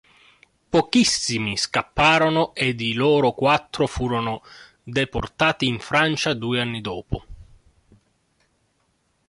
Pochissimi scamparono e di loro quattro furono deportati in Francia due anni dopo.